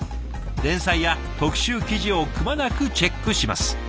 連載や特集記事をくまなくチェックします。